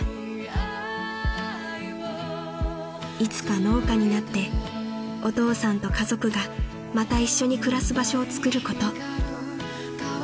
［いつか農家になってお父さんと家族がまた一緒に暮らす場所をつくること］